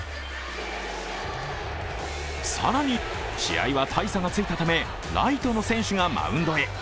更に試合は大差がついたためライトの選手がマウンドへ。